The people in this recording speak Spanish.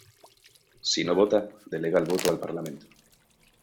Si no vota, delega el voto al parlamento.